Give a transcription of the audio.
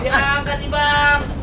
ya ampun ibang